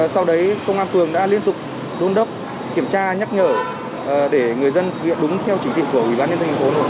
sau đấy công an phường đã liên tục đôn đốc kiểm tra nhắc nhở để người dân thực hiện đúng theo chỉ định của ubnd